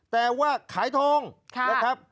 แต่ว่าขายทองนะครับ